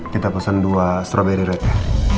kita pesan dua strawberry red ya